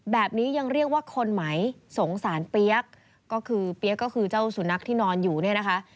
แบบนี้ยังเรียกว่าคนไหมสงสารเปี๊ยกก็คือเปี๊ยกก็คือเจ้าสุนัขที่นอนอยู่เนี่ยนะคะ